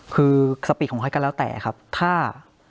คือสปีดของฮอตก็แล้วแต่ครับถ้า